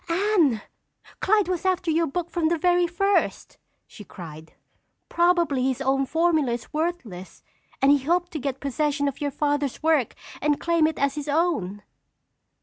"Anne, Clyde was after your book from the very first!" she cried. "Probably his own formula is worthless, and he hoped to get possession of your Father's work and claim it as his own."